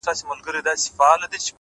گنې زما کافر زړه چيري يادول گلونه _